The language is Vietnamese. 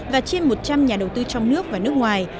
và trên một trăm linh nhà đầu tư trong nước và nước ngoài